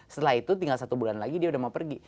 setelah itu tinggal satu bulan lagi dia udah mau pergi